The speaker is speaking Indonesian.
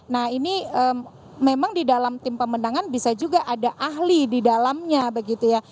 nah ini memang di dalam tim pemenangan bisa juga ada ahli di dalamnya begitu ya